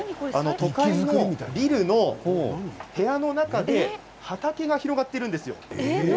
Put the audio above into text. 都会のビルの部屋の中で畑が広がっているんです。